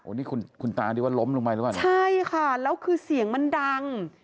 นี่คุณคุณตานี่ว่าล้มลงไปหรือเปล่านะใช่ค่ะแล้วคือเสียงมันดัง